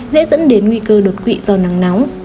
dễ dẫn đến nguy cơ đột quỵ do nắng nóng